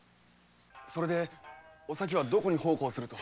それでお咲はどこに奉公するって？